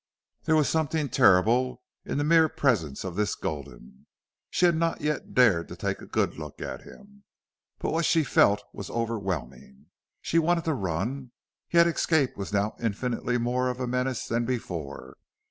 There was something terrible in the mere presence of this Gulden. She had not yet dared to take a good look at him. But what she felt was overwhelming. She wanted to run. Yet escape now was infinitely more of a menace than before.